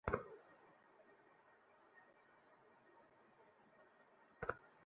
পরে নেত্রকোনা আধুনিক সদর হাসপাতালের মর্গে তার লাশের ময়নাতদন্ত করা হয়।